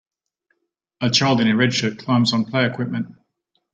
A child in a red shirt climbs on play equipment.